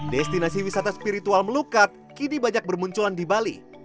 destinasi wisata spiritual melukat kini banyak bermunculan di bali